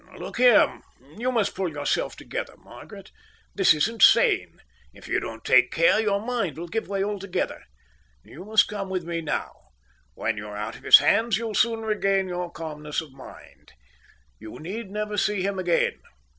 "Look here, you must pull yourself together, Margaret. This isn't sane. If you don't take care, your mind will give way altogether. You must come with me now. When you're out of his hands, you'll soon regain your calmness of mind. You need never see him again.